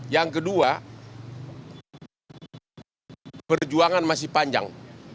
yang kedua perjuangan masih panjang